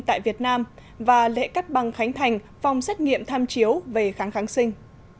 tại việt nam và lễ cắt băng khánh thành phòng xét nghiệm tham chiếu về kháng kháng sinh